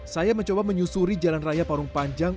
saya mencoba menyusuri jalan raya parung panjang